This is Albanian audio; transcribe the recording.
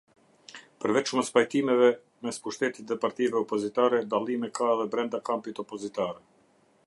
Përveç mospajtimeve mes pushtetit dhe partive opozitare, dallime ka edhe brenda kampit opozitar.